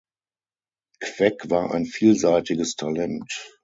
Queck war ein vielseitiges Talent.